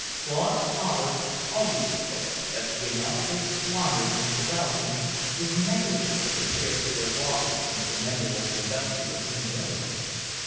Claude's father always declared that the amount they squandered in carousing was negligible compared to their losses in commendable industrial endeavour.